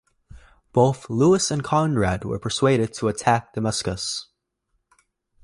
Both Louis and Conrad were persuaded to attack Damascus.